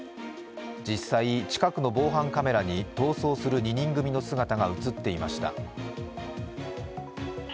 実際、近くの防犯カメラに逃走する２人組の姿が映っていました。